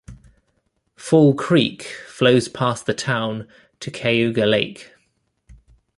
Fall Creek flows past the town to Cayuga Lake.